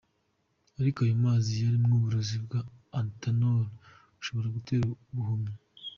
Ariko ayo mazi yarimwo uburozi bwa Ethanol bushobora gutera uruhumyi.